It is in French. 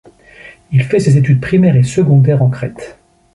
Il fait ses études primaires et secondaires en Crète.